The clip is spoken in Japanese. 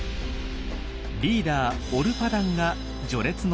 リーダーオルパダンが序列のトップ。